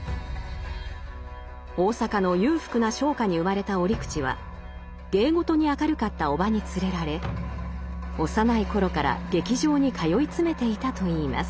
大阪の裕福な商家に生まれた折口は芸事に明るかった叔母に連れられ幼い頃から劇場に通い詰めていたといいます。